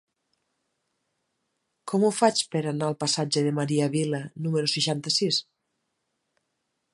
Com ho faig per anar al passatge de Maria Vila número seixanta-sis?